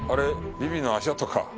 ビビの足跡か？